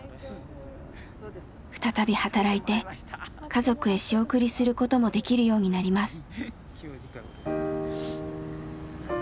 再び働いて家族へ仕送りすることもできるようになります。